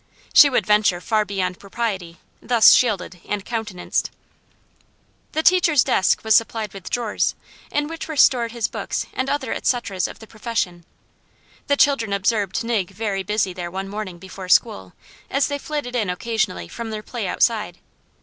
She would venture far beyond propriety, thus shielded and countenanced. The teacher's desk was supplied with drawers, in which were stored his books and other et ceteras of the profession. The children observed Nig very busy there one morning before school, as they flitted in occasionally from their play outside.